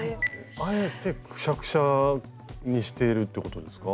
あえてクシャクシャにしているってことですか？